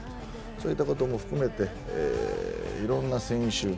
そういったことも含めていろんな選手